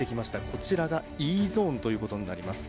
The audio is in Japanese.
こちらがＥゾーンということになります。